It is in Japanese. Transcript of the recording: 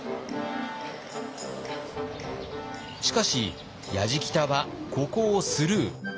しかしやじきたはここをスルー。